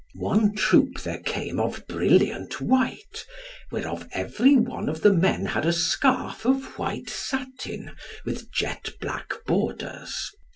One troop there came of brilliant white, whereof every one of the men had a scarf of white satin with jet black borders.